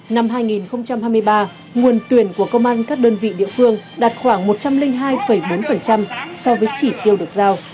năm hai nghìn hai mươi ba nguồn tuyển của công an các đơn vị địa phương đạt khoảng một trăm linh hai bốn so với chỉ tiêu được giao